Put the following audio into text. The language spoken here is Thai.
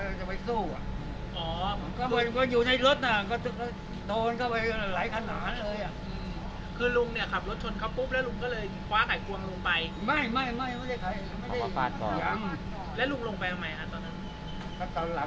และลุงลงไปทำไม่แล้วตอนนั้น